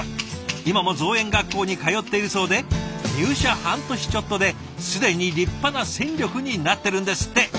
今も造園学校に通っているそうで入社半年ちょっとで既に立派な戦力になってるんですって。